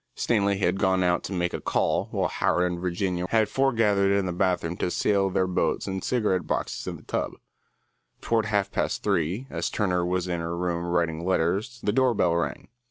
Stanley had gone out to make a call, while Howard and Virginia had forgathered in the bathroom to sail their boats and cigar boxes in the tub. Toward half past three, as Turner was in her room writing letters, the door bell rang.